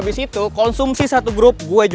peraturannya sih simple aja